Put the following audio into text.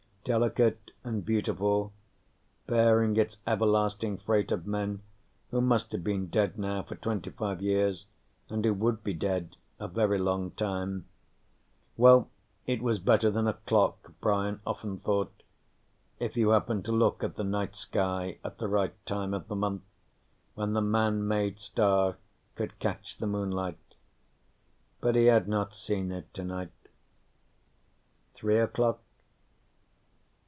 Delicate and beautiful, bearing its everlasting freight of men who must have been dead now for twenty five years and who would be dead a very long time well, it was better than a clock, Brian often thought, if you happened to look at the midnight sky at the right time of the month when the Man made star could catch the moonlight. But he had not seen it tonight. Three o'clock?